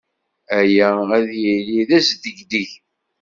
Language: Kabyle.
Aya ad yili d asdegdeg.